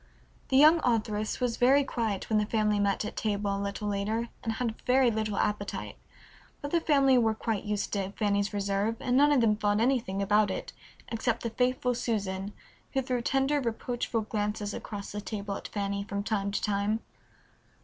The young authoress was very quiet when the family met at table a little later, and had very little appetite, but the family were quite used to Fanny's reserve, and none of them thought anything about it except the faithful Susan, who threw tender reproachful glances across the table at Fanny from time to time.